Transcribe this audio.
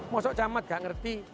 masuk camat tidak mengerti